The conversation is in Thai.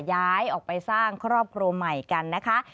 ย้ายออกไปสร้างครอบครัวใหม่กันนะคะ